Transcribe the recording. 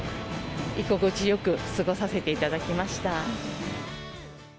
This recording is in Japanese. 居心地よく過ごさせていただきました。